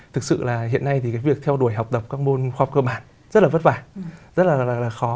thực sự là hiện nay thì cái việc theo đuổi học tập các môn khoa học cơ bản rất là vất vả rất là khó